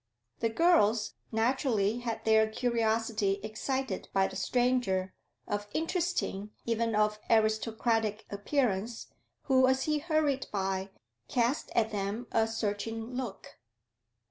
The girls naturally had their curiosity excited by the stranger of interesting, even of aristocratic, appearance, who, as he hurried by, east at them a searching look.